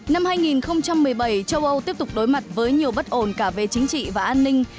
năm hai nghìn một mươi bảy châu âu tiếp tục đối mặt với nhiều bất ổn cả về chính trị và an ninh